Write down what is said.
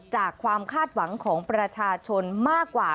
ความคาดหวังของประชาชนมากกว่า